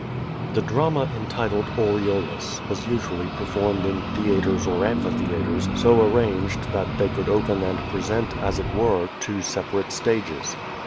The drama entitled "Aureolus" was usually performed in theatres or amphitheatres, so arranged that they could opeji and present, as it were, two separate stages.